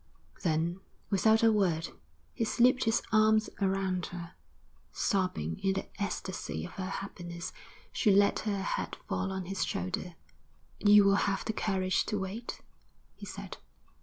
Then without a word he slipped his arms around her. Sobbing in the ecstasy of her happiness, she let her head fall on his shoulder. 'You will have the courage to wait?' he said.